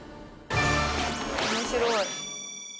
面白い。